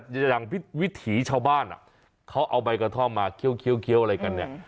อย่างวิถีชาวบ้านเขาเอาใบกระท่อมมาเคี้ยวอะไรกันเนี่ย